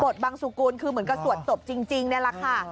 บังสุกุลคือเหมือนกับสวดศพจริงนี่แหละค่ะ